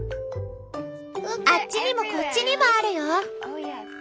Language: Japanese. あっちにもこっちにもあるよ。